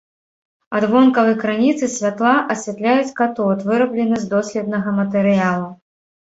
Ад вонкавай крыніцы святла асвятляюць катод, выраблены з доследнага матэрыялу.